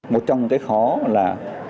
một trong những cái khó là